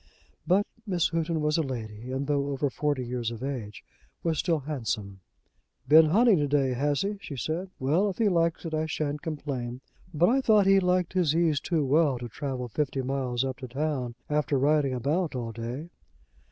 But Miss Houghton was a lady, and though over forty years of age, was still handsome. "Been hunting to day, has he?" she said. "Well, if he likes it, I shan't complain. But I thought he liked his ease too well to travel fifty miles up to town after riding about all day."